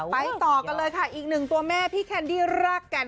ต่อกันเลยค่ะอีกหนึ่งตัวแม่พี่แคนดี้รากแก่น